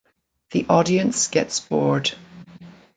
The audience gets bored.